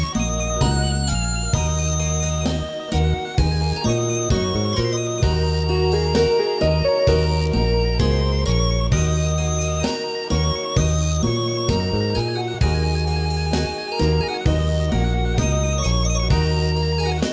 ขอให้โชคดีค่ะ